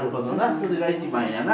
それが一番やな。